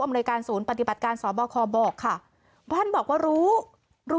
ในการศูนย์ปฏิบัติการสบคบอกค่ะท่านบอกว่ารู้รู้